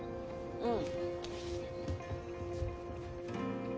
うん。